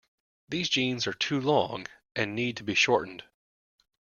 These jeans are too long, and need to be shortened.